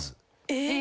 えっ！